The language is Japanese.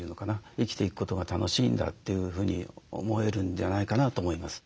生きていくことが楽しいんだというふうに思えるんじゃないかなと思います。